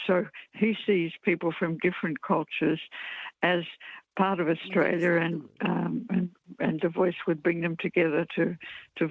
jadi dia melihat orang dari kultur kultur yang berbeda sebagai bagian dari australia dan the voice akan membawanya bersama untuk memilih